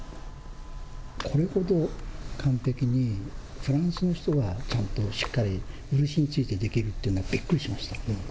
これほど完璧にフランスの人がちゃんとしっかり漆についてできるっていうのは、びっくりしました。